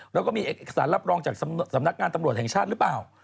แล้วก็มีเอกสารรับรองจากสำนักงานตำรวจแห่งชาติหรือเปล่า